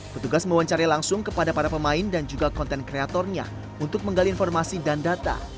petugas mewawancari langsung kepada para pemain dan juga konten kreatornya untuk menggali informasi dan data